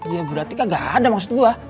ya berarti kagak ada maksud gue